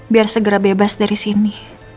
biar segera bebas dari sini